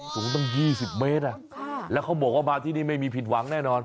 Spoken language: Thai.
สูงตั้ง๒๐เมตรแล้วเขาบอกว่ามาที่นี่ไม่มีผิดหวังแน่นอน